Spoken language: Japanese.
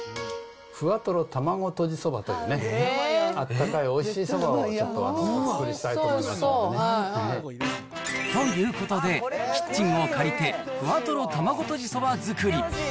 ふわとろ卵とじそばというね、温かいおいしいそばをちょっとお作りしたいと思いますね。ということで、キッチンを借りてふわとろ卵とじそば作り。